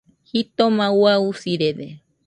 Jitoma ua, usirede.